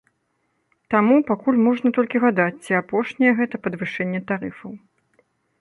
Таму пакуль можна толькі гадаць, ці апошняе гэта падвышэнне тарыфаў.